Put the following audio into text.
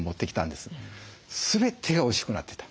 全てがおいしくなってた。